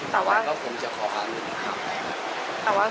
แต่ว่าก็คงจะคอทางที่หาดไป